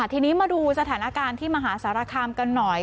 ทีนี้มาดูสถานการณ์ที่มหาสารคามกันหน่อย